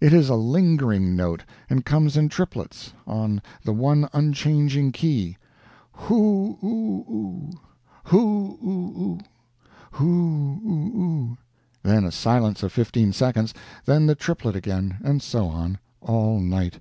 It is a lingering note, and comes in triplets, on the one unchanging key: hoo o o, hoo o o, hoo o o; then a silence of fifteen seconds, then the triplet again; and so on, all night.